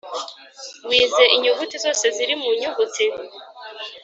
wize inyuguti zose ziri mu nyuguti?